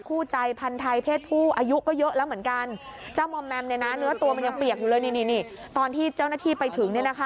ผู้ใจพันไทยเพศผู้อายุก็เยอะแล้วเหมือนกันเจ้าหมอแมมเนื้อตัวมันยังเปียกอยู่เลยตอนที่เจ้านาทีไปถึง